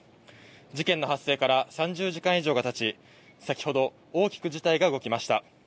事件の発生から３０時間以上がたち先ほど大きく事態が動きました。